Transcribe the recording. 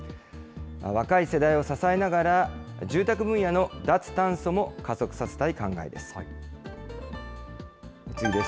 若い世代を支えながら、住宅分野の脱炭素も加速させたい考えです。